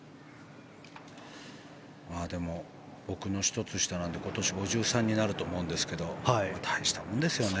でも、僕の１つ下なので今年５３になると思うんですけど大したもんですよね。